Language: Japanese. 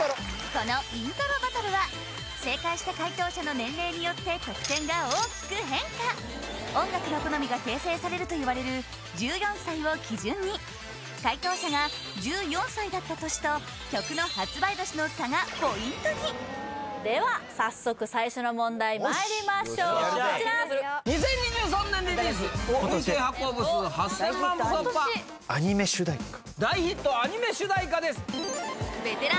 このイントロバトルは正解した解答者の年齢によって得点が大きく変化音楽の好みが形成されるといわれる１４歳を基準に解答者が１４歳だった年と曲の発売年の差がポイントにでは早速最初の問題まいりましょうこちらアニメ主題歌年の差！